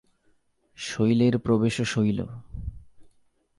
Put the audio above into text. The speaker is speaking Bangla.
শৈলের প্রবেশ শৈল।